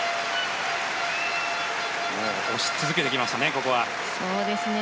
押し続けてきましたね。